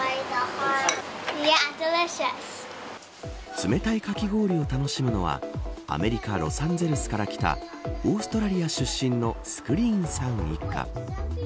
冷たいかき氷を楽しむのはアメリカ、ロサンゼルスから来たオーストラリア出身のスクリーンさん一家。